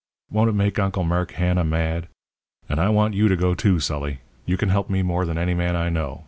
Won't it make Uncle Mark Hanna mad? And I want you to go too, Sully. You can help me more than any man I know.